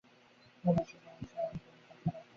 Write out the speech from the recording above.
যত দিন কাশীতে আছি, আমাকে এই খোঁজেই থাকিতে হইবে।